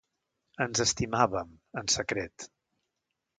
Ens estimàvem, en secret.